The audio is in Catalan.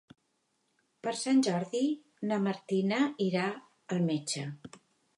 Per Sant Jordi na Martina irà al metge.